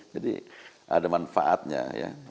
jadi ada manfaatnya ya